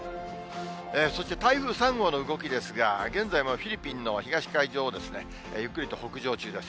そして台風３号の動きですが、現在もフィリピンの東海上をゆっくりと北上中です。